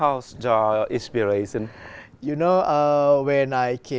lựa chọn của tôi trong mỗi công việc là